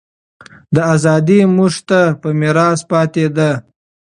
دا ازادي موږ ته په میراث پاتې ده.